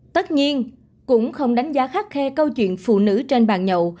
tất nhiên cũng không đánh giá khắt khe câu chuyện phụ nữ trên bàn nhậu